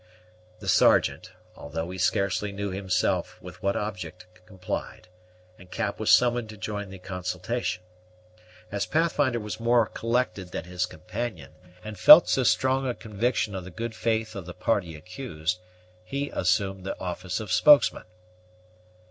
The Sergeant, although he scarcely knew himself with what object, complied, and Cap was summoned to join in the consultation. As Pathfinder was more collected than his companion, and felt so strong a conviction of the good faith of the party accused, he assumed the office of spokesman.